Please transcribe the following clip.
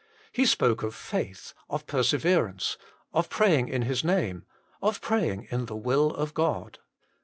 He spoke of faith, of perseverance, of praying in His Name, of praying in the will of God.